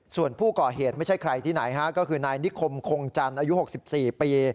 ส่วนผู้ก่อเหตุไม่ใช่ใครที่ไหนฮะก็คือนายนิคมคงจันทร์อายุ๖๔ปี